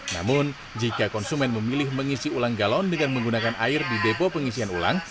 namun jika konsumen memilih mengisi ulang galon dengan menggunakan air di depo pengisian ulang